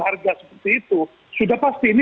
harga seperti itu sudah pasti ini